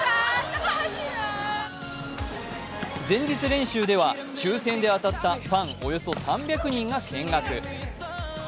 前日練習では抽選で当たったファンおよそ３００人が見学。